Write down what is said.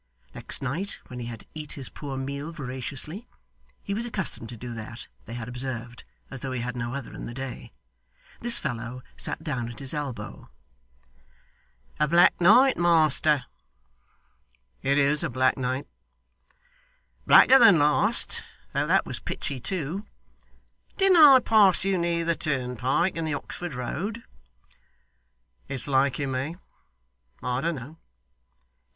Next night, when he had eat his poor meal voraciously (he was accustomed to do that, they had observed, as though he had no other in the day), this fellow sat down at his elbow. 'A black night, master!' 'It is a black night.' 'Blacker than last, though that was pitchy too. Didn't I pass you near the turnpike in the Oxford Road?' 'It's like you may. I don't know.